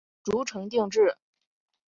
遂成定制。